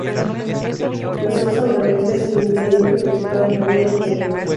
La salsa holandesa es el ingrediente principal de los huevos Benedict.